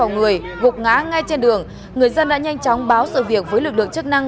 người gục ngã ngay trên đường người dân đã nhanh chóng báo sự việc với lực lượng chức năng